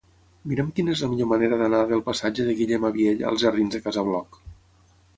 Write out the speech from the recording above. Mira'm quina és la millor manera d'anar del passatge de Guillem Abiell als jardins de Casa Bloc.